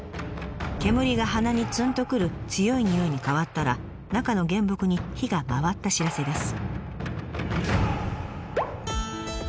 煙が鼻にツンとくる強い匂いに変わったら中の原木に火が回った知らせです。